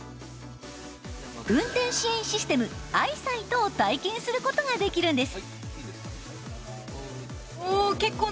運転支援システムアイサイトを体験することができるんです。